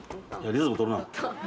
リズム取るな。